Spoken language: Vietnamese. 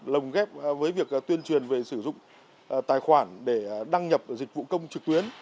lồng ghép với việc tuyên truyền về sử dụng tài khoản để đăng nhập dịch vụ công trực tuyến